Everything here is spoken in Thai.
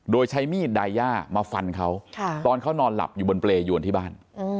โดยใช้มีดไดย่ามาฟันเขาตอนเขานอนหลับอยู่บนเปรยวนที่บ้าน